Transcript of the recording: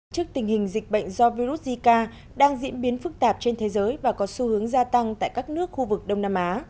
trước tình hình dịch bệnh do virus zika đang diễn biến phức tạp trên thế giới và có xu hướng gia tăng tại các nước khu vực đông nam á